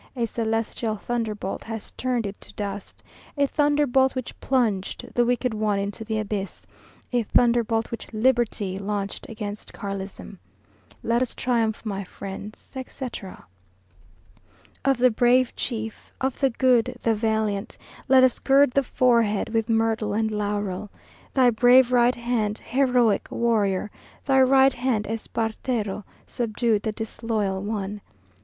A celestial thunderbolt Has turned it to dust A thunderbolt which plunged The wicked one into the abyss A thunderbolt which Liberty Launched against Carlism. Let us triumph, my friends, etc. Of the brave chief, Of the good, the valiant, Let us gird the forehead With myrtle and laurel. Thy brave right hand, Heroic warrior, Thy right hand, Espartero, Subdued the disloyal one.